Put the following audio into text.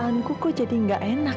agia dlum wawah